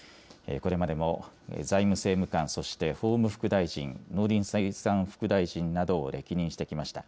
これまでも財務政務官、そして法務副大臣、農林水産副大臣などを歴任してきました。